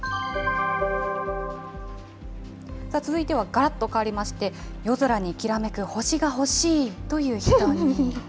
さあ、続いてはがらっと変わりまして、夜空にきらめく星が欲しいという人に。